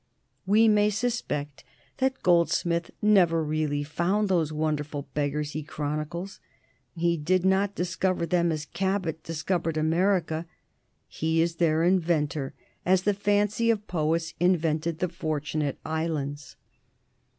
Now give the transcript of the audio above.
We may suspect that Goldsmith never really found those wonderful beggars he chronicles. He did not discover them as Cabot discovered America; he is their inventor, as the fancy of poets invented the Fortunate Islands.